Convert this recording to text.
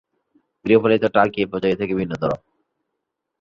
গৃহপালিত টার্কি এই প্রজাতি থেকে ভিন্নতর।